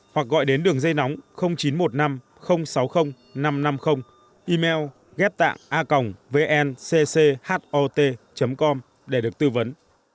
hoặc gọi đến đường dây nóng chín trăm một mươi năm sáu mươi năm trăm năm mươi email ghép tạng a vncchot com để được tư vấn